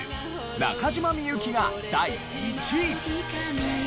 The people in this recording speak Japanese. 中島みゆきが第１位。